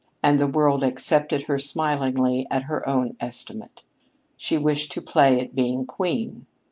And the world accepted her smilingly at her own estimate. She wished to play at being queen.